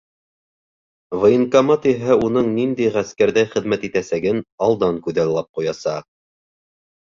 Военкомат иһә уның ниндәй ғәскәрҙә хеҙмәт итәсәген алдан күҙаллап ҡуясаҡ.